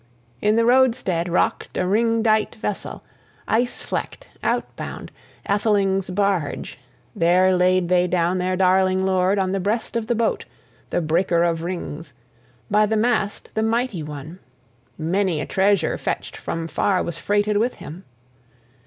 In the roadstead rocked a ring dight vessel, ice flecked, outbound, atheling's barge: there laid they down their darling lord on the breast of the boat, the breaker of rings, {0b} by the mast the mighty one. Many a treasure fetched from far was freighted with him.